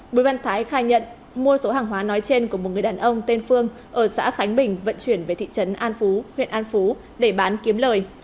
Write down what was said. bùi văn thái khai nhận mua số hàng hóa nói trên của một người đàn ông tên phương ở xã khánh bình vận chuyển về thị trấn an phú huyện an phú để bán kiếm lời